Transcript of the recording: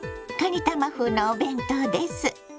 かにたま風のお弁当です。